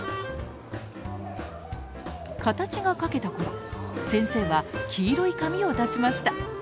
形が描けた頃先生は黄色い紙を出しました。